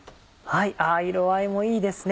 色合いもいいですね。